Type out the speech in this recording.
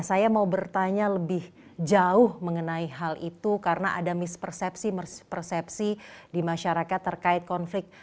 saya mau bertanya lebih jauh mengenai hal itu karena ada mispersepsi persepsi di masyarakat terkait konflik